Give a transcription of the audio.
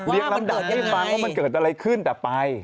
ลำดับให้ฟังว่ามันเกิดอะไรขึ้นแต่ไป